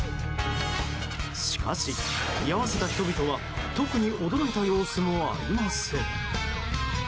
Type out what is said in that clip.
しかし居合わせた人々は特に驚いた様子もありません。